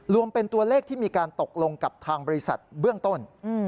รวมเป็นตัวเลขที่มีการตกลงกับทางบริษัทเบื้องต้น